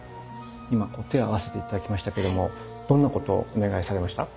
今こう手を合わせて頂きましたけどもどんなことをお願いされました？